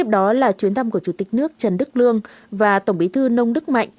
đó là chuyến thăm của chủ tịch nước trần đức lương và tổng bí thư nông đức mạnh